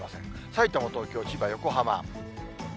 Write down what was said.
さいたま、東京、千葉、横浜。